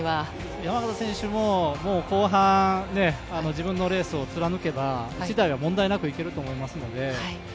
山縣選手は後半、自分のレースを貫けば問題なくいけると思います。